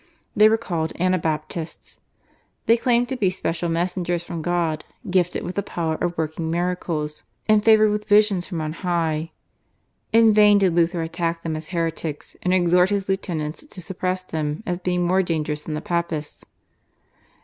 They were called Anabaptists. They claimed to be special messengers from God, gifted with the power of working miracles, and favoured with visions from on high. In vain did Luther attack them as heretics, and exhort his lieutenants to suppress them as being more dangerous than the Papists.